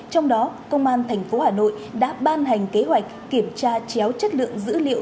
trong đó công an tp hà nội đã ban hành kế hoạch kiểm tra chéo chất lượng dữ liệu